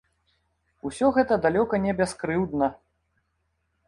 Усё гэта далёка не бяскрыўдна.